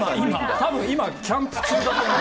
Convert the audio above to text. たぶん今、キャンプ中だと思う。